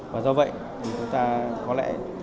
và do vậy chúng ta sẽ có thể tạo ra một kết quả